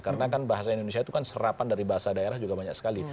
karena kan bahasa indonesia itu kan serapan dari bahasa daerah juga banyak sekali